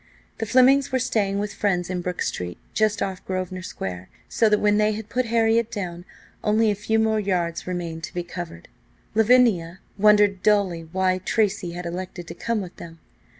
The Flemings were staying with friends in Brook Street, just off Grosvenor Square, so that when they had put Harriet down, only a few more yards remained to be covered. Lavinia wondered dully why Tracy had elected to come with them.